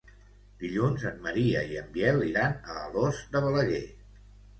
Dilluns en Maria i en Biel iran a Alòs de Balaguer.